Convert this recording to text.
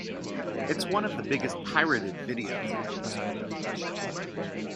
It's one of the biggest pirated videos in the history of Russia.